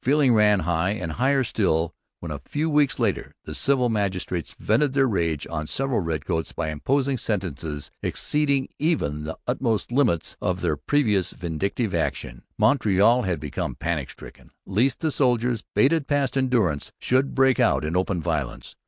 Feeling ran high; and higher still when, a few weeks later, the civil magistrates vented their rage on several redcoats by imposing sentences exceeding even the utmost limits of their previous vindictive action. Montreal became panic stricken lest the soldiers, baited past endurance, should break out in open violence.